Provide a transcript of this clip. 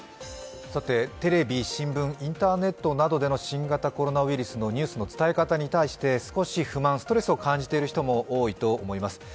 テレビ、新聞、インターネットなどでの新型コロナウイルスのニュースの伝え方について少し不満、ストレスを感じている人も多いと思います。